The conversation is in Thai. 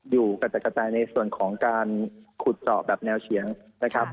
อยู่กระจัดกระจายในส่วนของการขุดเจาะแบบแนวเฉียงนะครับ